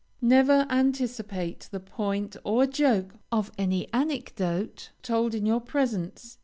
Never anticipate the point or joke of any anecdote told in your presence.